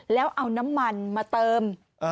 แล้วเอาน้ำมันมาเติม